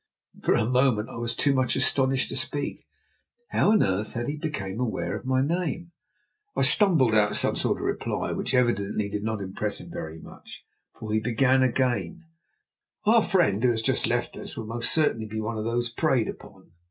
For a moment I was too much astonished to speak; how on earth had he become aware of my name? I stumbled out some sort of reply, which evidently did not impress him very much, for he began again: "Our friend who has just left us will most certainly be one of those preyed upon.